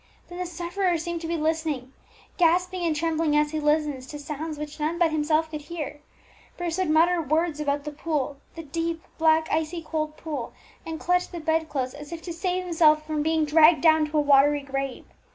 Then the sufferer seemed to be listening, gasping and trembling as he listened, to sounds which none but himself could hear. Bruce would mutter words about the pool the deep, black, icy cold pool and clutch the bed clothes, as if to save himself from being dragged down to a watery grave.